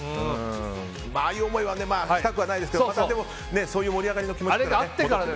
ああいう思いはしたくはないですけどまたそういう盛り上がりが。